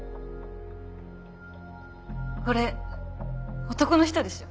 これ男の人でしょう？